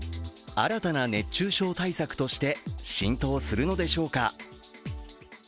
新たな熱中症対策として浸透するのでしょうか。